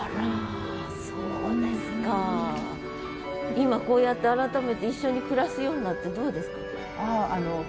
今こうやって改めて一緒に暮らすようになってどうですか？